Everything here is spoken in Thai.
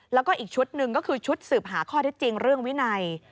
แล้วก็อีกชุดหนึ่งก็คือชุดสืบหาข้อเท็จจริงเรื่องวินัย